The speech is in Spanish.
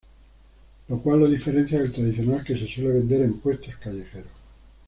Lo cual lo diferencia del tradicional que se suele vender en puestos callejeros.